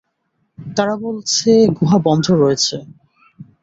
তারা বলছে গুহা বন্ধ রয়েছে।